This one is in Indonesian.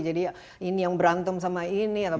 jadi ini yang berantem sama ini